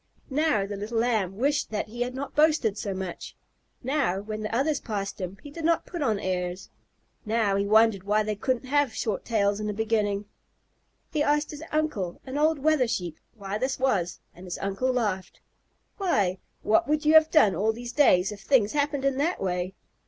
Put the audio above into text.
Now the little Lamb wished that he had not boasted so much. Now, when the others passed him, he did not put on airs. Now he wondered why they couldn't have short tails in the beginning. He asked his uncle, an old Wether Sheep, why this was and his uncle laughed. "Why, what would you have done all these days if things happened in that way?